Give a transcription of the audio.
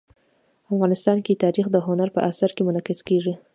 افغانستان کې تاریخ د هنر په اثار کې منعکس کېږي.